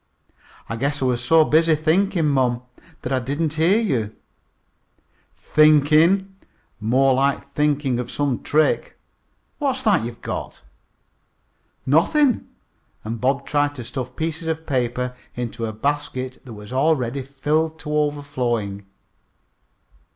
"I guess I was so busy thinking, mom, that I didn't hear you." "Thinking? More likely thinking of some trick! What's that you've got?" "Nothing," and Bob tried to stuff pieces of paper into a basket that was already filled to overflowing.